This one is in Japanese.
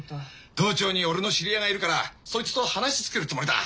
道庁に俺の知り合いがいるからそいつと話つけるつもりだ。